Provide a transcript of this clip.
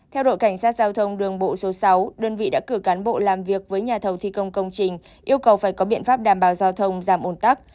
theo đội cảnh sát giao thông đường bộ số sáu đơn vị đã cử cán bộ làm việc với nhà thầu thi công công trình yêu cầu phải có biện pháp đảm bảo giao thông giảm ồn tắc